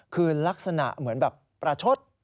คือลักษณะเหมือนแบบประชด